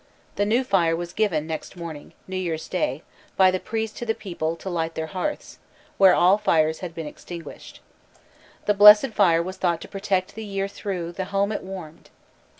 The new fire was given next morning, New Year's Day, by the priests to the people to light their hearths, where all fires had been extinguished. The blessed fire was thought to protect the year through the home it warmed.